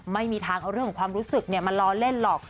ไม่มีทางเอาเรื่องของความรู้สึกมาล้อเล่นหรอก